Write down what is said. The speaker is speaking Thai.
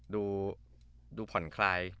ดูผ่อนคลาย